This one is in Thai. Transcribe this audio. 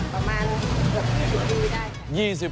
ประมาณ๒๐ปีได้